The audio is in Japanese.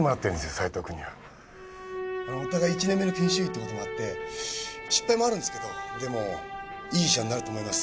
斉藤君にはお互い一年目の研修医なんで失敗もあるんですけどでもいい医者になると思います